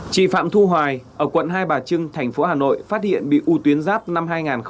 chị phạm thu hoài ở quận hai bà trưng thành phố hà nội phát hiện bị ưu tuyến giáp năm hai nghìn hai